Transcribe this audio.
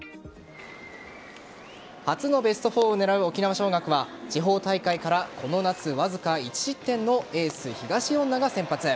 初のベスト４を狙う沖縄尚学は地方大会からこの夏、わずか１失点のエース・東恩納が先発。